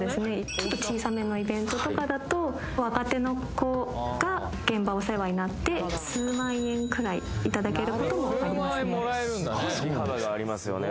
ちょっと小さめなイベントとかだと若手の子が現場お世話になって数万円くらいいただけることもありますねああそうなんですね